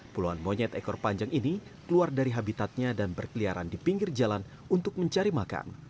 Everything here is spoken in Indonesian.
puluhan monyet ekor panjang ini keluar dari habitatnya dan berkeliaran di pinggir jalan untuk mencari makan